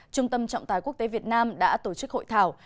trung tâm trọng tài quốc tế việt nam đã tổ chức hội thảo